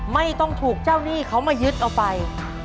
ไม่ต้องถูกเจ้าหนี้เขามายึดเอาไป